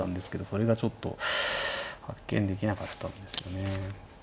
それがちょっと発見できなかったんですよね。